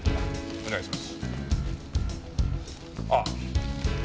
お願いします。